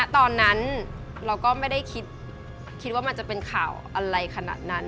ตอนนั้นเราก็ไม่ได้คิดว่ามันจะเป็นข่าวอะไรขนาดนั้น